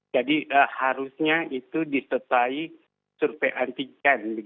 jadi harusnya itu disurvei antigen